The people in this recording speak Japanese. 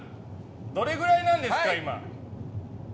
どれくらいなんですか、今。